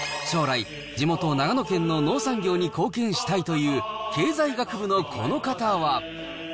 将来、地元、長野県の農産業に貢献したいという経済学部のこの方は。